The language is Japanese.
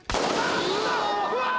うわ！